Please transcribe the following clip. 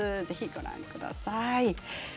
ぜひご覧ください。